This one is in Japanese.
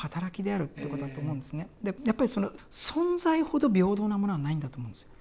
やっぱりその存在ほど平等なものはないんだと思うんですよ。